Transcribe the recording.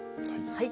はい。